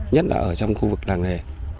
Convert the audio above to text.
nhất là ở trong khu vực làng nghề